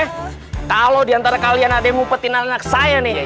halo halo diantara kalian ada mengetik anak anak saya nih ya